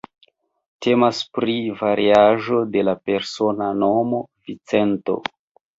Temas pri variaĵo de la persona nomo "Vincento".